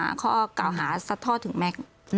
ค่ะข้อก่าวหาซัดท่อถึงแม็กซ์